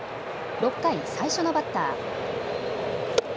６回、最初のバッター。